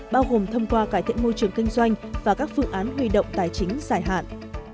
bao gồm thông qua cải thiện môi trường kinh doanh và các phương án huy động tài chính dài hạn